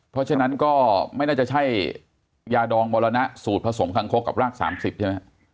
เพราะฉะนั้นก็ไม่น่าจะใช่ยาดองมรณะสูตรผสมคังคกกับราก๓๐ใช่ไหม